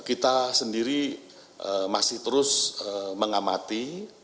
kita sendiri masih terus mengamati